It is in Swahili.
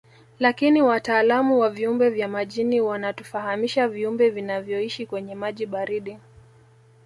Lakini wataalamu wa viumbe vya majini wanatufahamisha viumbe vinavyoishi kwenye maji baridi